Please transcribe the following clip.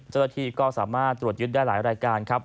เจ้าหน้าที่ก็สามารถตรวจยึดได้หลายรายการครับ